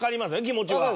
気持ちは。